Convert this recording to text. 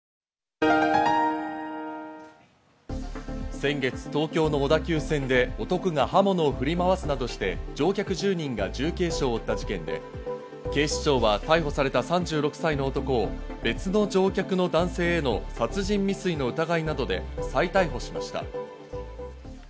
先月、東京の小田急線で男が刃物を振り回すなどして乗客１０人が重軽傷を負った事件で、警視庁は逮捕された３６歳の男を別の乗客の男性への殺人未遂の疑いなどで再逮捕しました。